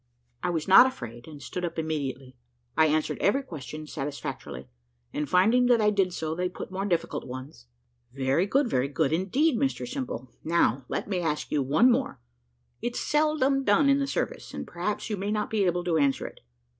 I was not afraid, and stood up immediately. I answered every question satisfactorily, and finding that I did so, they put more difficult ones. "Very good, very good indeed, Mr Simple; now let me ask you one more; it's seldom done in the service, and perhaps you may not be able to answer it.